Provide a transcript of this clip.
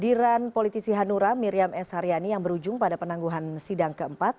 kehadiran politisi hanura miriam s haryani yang berujung pada penangguhan sidang keempat